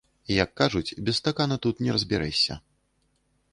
Як кажуць, без стакана тут не разбярэшся.